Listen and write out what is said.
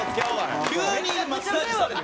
急にマッサージされた？